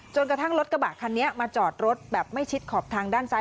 กระทั่งรถกระบะคันนี้มาจอดรถแบบไม่ชิดขอบทางด้านซ้าย